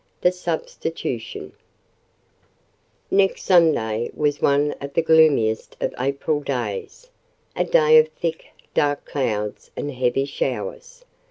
THE SUBSTITUTION Next Sunday was one of the gloomiest of April days—a day of thick, dark clouds, and heavy showers.